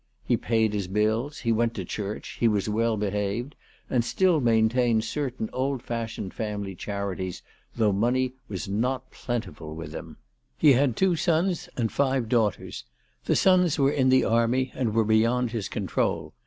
He paid his bills, he went to church, he was well behaved, and still main tained certain old fashioned family charities, though money was not plentiful with him. He had two sons and five daughters. The sons were in the army, and were beyond his control.